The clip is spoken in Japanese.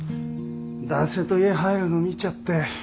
男性と家入るの見ちゃって。